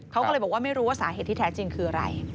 เขาก็เลยบอกว่าไม่รู้ว่าสาเหตุที่แท้จริงคืออะไร